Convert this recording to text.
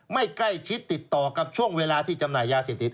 ไม่ใกล้ชิดติดต่อกับช่วงเวลาที่จำหน่ายยาเสพติด